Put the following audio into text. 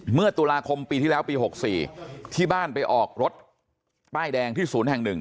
เมื่อตุลาคมปีที่แล้วปี๖๔ที่บ้านไปออกรถป้ายแดงที่ศูนย์แห่ง๑